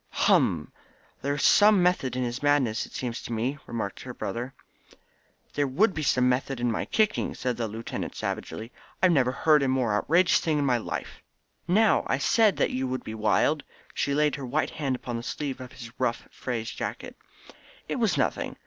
"Hum! There was some method in his madness, it seems to me," remarked her brother. "There would have been some method in my kicking," said the lieutenant savagely. "I never heard of a more outrageous thing in my life." "Now, I said that you would be wild!" She laid her white hand upon the sleeve of his rough frieze jacket. "It was nothing.